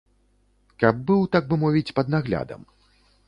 Каб быў, так бы мовіць, пад наглядам.